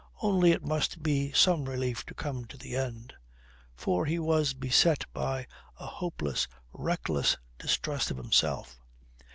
Only it must be some relief to come to the end. For he was beset by a hopeless, reckless distrust of himself.